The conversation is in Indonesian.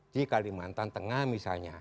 di kalimantan tengah misalnya